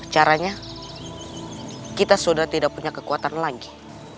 caranya kita sudah tidak punya kekuatan lagi